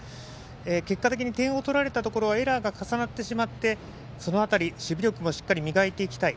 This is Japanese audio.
結果的に点を取られたところはエラーが重なってしまいその辺り、守備力もしっかり磨いていきたい。